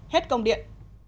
hết công điện